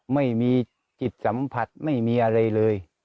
ไม่มีจิตสัมผัสไม่มีอะไรเลย